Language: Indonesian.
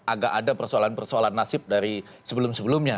agak ada persoalan persoalan nasib dari sebelum sebelumnya